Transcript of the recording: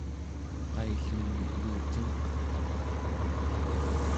qaillun elucingqerta?